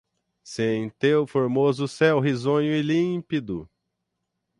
Se em teu formoso céu, risonho e límpido